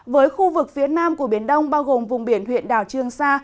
với khu vực phía nam của biển đông bao gồm vùng biển huyện đảo trương sa